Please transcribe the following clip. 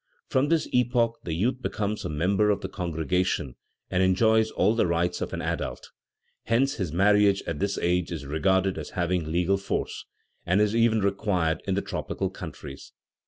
From this epoch the youth becomes a member of the congregation and enjoys all the rights of an adult. Hence, his marriage at this age is regarded as having legal force, and is even required in the tropical countries.